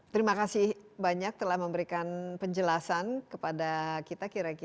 terima kasih banyak telah memberikan penjelasan kepada kita kira kira apa yang bisa kita jelaskan